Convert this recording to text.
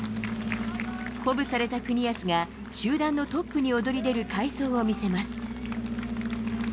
鼓舞された國安が、集団のトップに躍り出る快走を見せます。